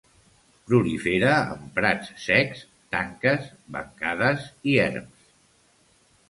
Prolifera en prats secs, tanques, bancades i erms.